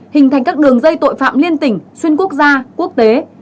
hình thành các đường dây tội phạm liên tỉnh xuyên quốc gia quốc tế